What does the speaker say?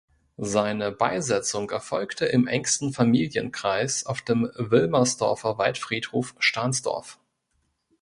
Seine Beisetzung erfolgte im engsten Familienkreis auf dem Wilmersdorfer Waldfriedhof Stahnsdorf.